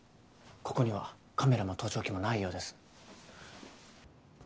ここにはカメラも盗聴器もないようです。